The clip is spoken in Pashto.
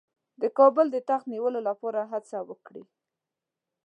د کابل د تخت د نیولو لپاره هڅه وکړي.